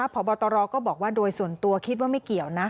พบตรก็บอกว่าโดยส่วนตัวคิดว่าไม่เกี่ยวนะ